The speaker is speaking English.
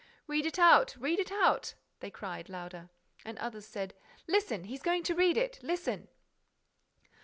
"Read it out! Read it out!" they cried, louder. And others said: "Listen! He's going to read it! Listen!"